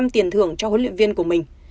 một mươi tiền thưởng cho huấn luyện viên của mình